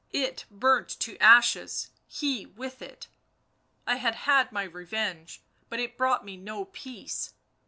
it burnt to ashes, he with it ... I had had my revenge, but it brought me no peace.